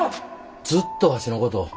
ずっとわしのこと。